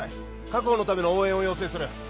確保のための応援を要請する。